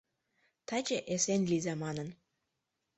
Таче, эсен лийза манын